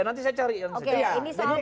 ya nanti saya cari yang sedikit